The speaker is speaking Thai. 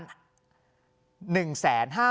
ก็เหลือน่อประมาณ๑๘๑๕๒๐๐๐บาท